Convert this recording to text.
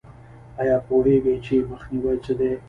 ایا پوهیږئ چې مخنیوی څه دی؟